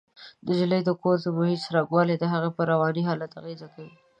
د نجلۍ د کور د محیط څرنګوالی د هغې پر رواني حالت اغېز کوي